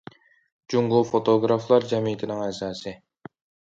جۇڭگو فوتوگرافلار جەمئىيىتىنىڭ ئەزاسى.